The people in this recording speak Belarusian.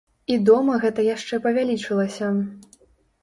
І дома гэта яшчэ павялічылася.